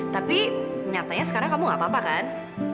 tapi nyatanya sekarang kamu gak apa apa kan